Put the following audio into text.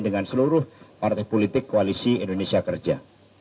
dan seluruh partai politik koalisi indonesia kerja